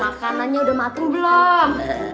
makanannya udah matang belum